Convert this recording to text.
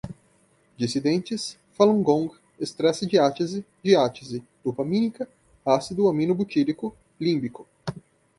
dissidentes, falun gong, estresse-diátese, diátese, dopamínica, ácido aminobutírico, límbico